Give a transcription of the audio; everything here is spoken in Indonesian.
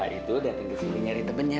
boneka itu dateng kesini nyari temennya